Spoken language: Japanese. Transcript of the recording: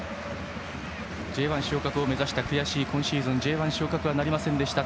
Ｊ１昇格を目指した悔しい今シーズンＪ１昇格はなりませんでした。